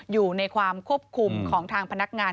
อยู่ในความควบคุมของทางพนักงาน